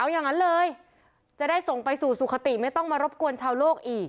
อย่างนั้นเลยจะได้ส่งไปสู่สุขติไม่ต้องมารบกวนชาวโลกอีก